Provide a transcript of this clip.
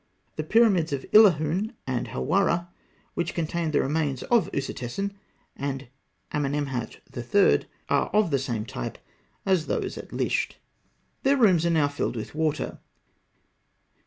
The pyramids of Illahûn and Hawara, which contained the remains of Ûsertesen II. and Amenemhat III., are of the same type as those at Lisht. Their rooms are now filled with water.